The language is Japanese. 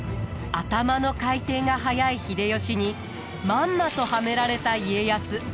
頭の回転が速い秀吉にまんまとはめられた家康。